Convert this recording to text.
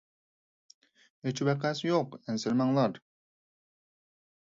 ھېچ ۋەقەسى يوق، ئەنسىرىمەڭلار!